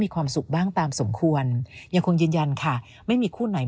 ความสุขบ้างตามสมควรยังคงยืนยันค่ะไม่มีคู่ไหน